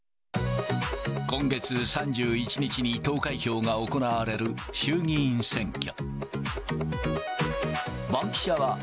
今月３１日に投開票が行われる衆議院選挙。